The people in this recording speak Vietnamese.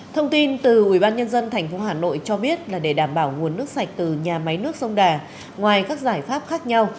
thông tin từ ubnd tp hà nội cho biết là để đảm bảo nguồn nước sạch từ nhà máy nước sông đà ngoài các giải pháp khác nhau